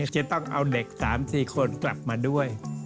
จะต้องเอาเด็ก๓๔คนกลับมาด้วย